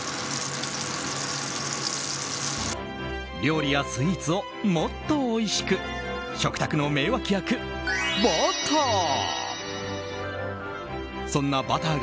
料理やスイーツをもっとおいしく食卓の名脇役、バター！